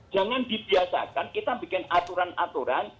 jangan dibiasakan kita bikin aturan aturan